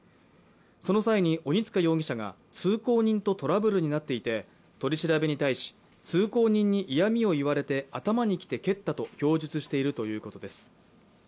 その際に鬼束容疑者が通行人とトラブルになっていて取り調べに対し通行人に嫌みを言われて頭にきて蹴ったと、供述しているということです。